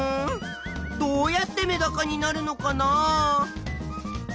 どうやってメダカになるのかな？